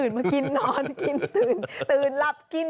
สามสิบบอโอเคไหม